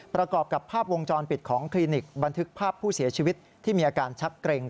ประกอบกับภาพวงจรปิดของคลินิกบันทึกภาพผู้เสียชีวิตที่มีอาการชักเกร็ง